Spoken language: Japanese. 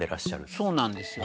そうなんですよ。